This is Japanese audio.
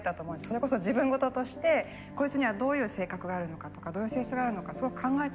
それこそ自分事としてこいつにはどういう性格があるのかとかどういう性質があるのかすごく考えたと思うんですね。